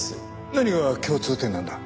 何が共通点なんだ？